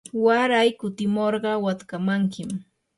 waray kutimurqa watkamankim.